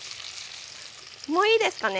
もういいですかね？